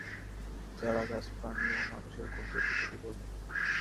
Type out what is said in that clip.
চারাগাছ, প্রাণী ও মানুষের গুণকে প্রকৃতি বলে।